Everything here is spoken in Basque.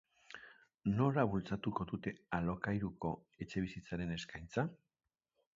Nola bultzatuko dute alokairuko etxebizitzaren eskaintza?